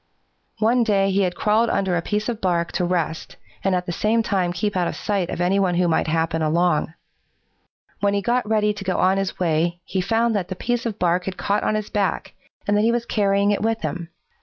"One day he had crawled under a piece of bark to rest and at the same time keep out of sight of any who might happen along. When he got ready to go on his way, he found that the piece of bark had caught on his back, and that he was carrying it with him.